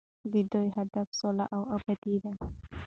د ده هدف سوله او ابادي ده.